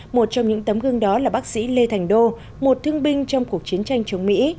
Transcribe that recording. một trong những tấm gương đó là bác sĩ lê thành đô một thương binh trong cuộc chiến tranh chống mỹ